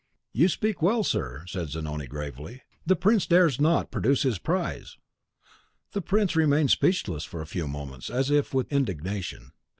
"'You speak well, sir,' said Zanoni, gravely. 'The prince dares not produce his prize!' "The prince remained speechless for a few moments, as if with indignation.